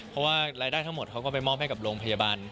เพราะว่ารายได้ทั้งหมดเขาก็ไปมอบให้กับโรงพยาบาล